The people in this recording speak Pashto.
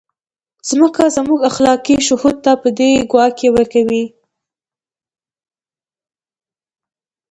ځکه زموږ اخلاقي شهود په دې ګواهي ورکوي.